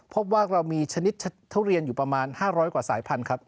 พบว่าเรามีชนิดทุเรียนอยู่ประมาณ๕๐๐กว่าสายพันธุ์ครับ